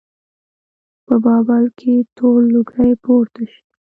په بابل کې تور لوګی پورته شي.